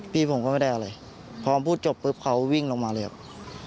พี่ผมก็ไม่ได้อะไรพอพูดจบปุ๊บเขาวิ่งลงมาเลยครับ